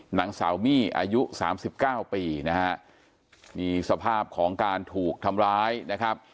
หนังสาวมี่อายุ๓๙ปีนะฮะมีสภาพของการถูกทำร้ายนะครับ